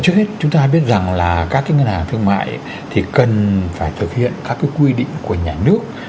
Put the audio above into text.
trước hết chúng ta biết rằng là các cái ngân hàng thương mại thì cần phải thực hiện các quy định của nhà nước